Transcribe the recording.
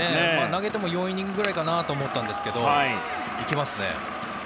投げても４イニングぐらいかなと思ったんですけど、いきますね。